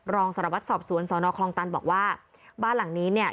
รองสารวัตรสอบสวนสอนอคลองตันบอกว่าบ้านหลังนี้เนี่ย